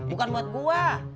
bukan buat gue